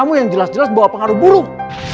itu yang jelas jelas bawa pengaruh burung